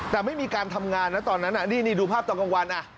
แต่ไม่มีการทำงานนะตอนนั้นนี่ดูภาพตอนกลางวัน